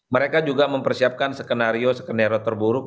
mereka juga mempersiapkan skenario skenario terburuk